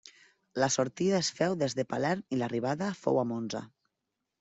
La sortida es féu des de Palerm i l'arribada fou a Monza.